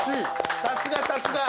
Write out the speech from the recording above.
さすがさすが。